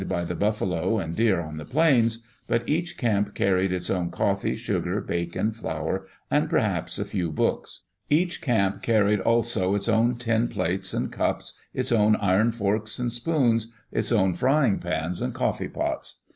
by the buffalo and deer on the plains, but each camp car ried its own coffee, sugar, bacon, flour, and perhaps a few books. Each camp carried also its own tin plates and cups, its own iron forks and spoons, its own frying pans and coffee pots.